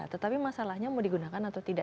tetapi masalahnya mau digunakan atau tidak